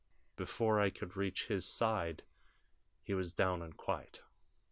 Before I could reach his side he was down and quiet.